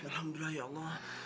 alhamdulillah ya allah